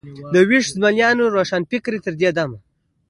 د ویښ زلمیانو روښانفکرۍ تر دې دمه.